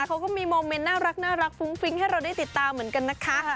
เขาก็มีโมเมนต์น่ารักฟุ้งฟิ้งให้เราได้ติดตามเหมือนกันนะคะ